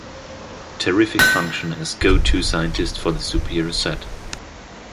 Terrific function as "go-to" scientists for the superhero set.